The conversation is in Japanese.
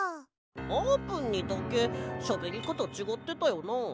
あーぷんにだけしゃべりかたちがってたよな？